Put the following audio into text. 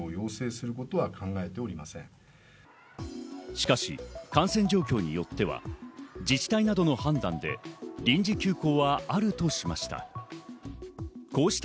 しかし感染状況によっては自治体などの判断で臨時休校はあるとしました。